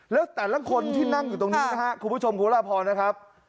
แล้วแต่ละคนที่นั่งอยู่ตรงนี้นะครับคุณผู้ชมคุณพระพรนะครับ